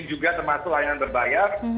juga termasuk layanan berbayar